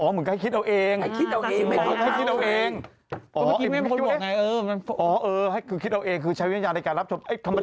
อ๋อเหมือนกันให้คิดเอาเองให้คิดเอาเองอ๋อให้คิดเอาเองอ๋อให้คิดเอาเองคือใช้วิญญาณในการรับชม